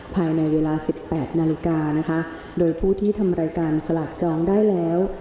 ภายในเวลาสิบแปดนาฬิกานะคะโดยผู้ที่ทำรายการสลากจองได้แล้ว